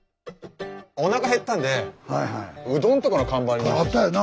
おなかへったんでうどんとかの看板ありましたよね。